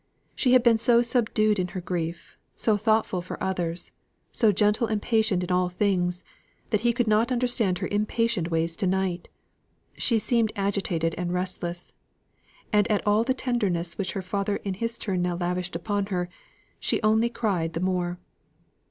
She had been so subdued in her grief, so thoughtful for others, so gentle and patient in all things, that he could not understand her impatient ways to night; she seemed agitated and restless; and at all the tenderness which her father in his turn now lavished upon her, she only cried the more.